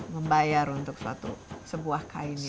membayar untuk sebuah kain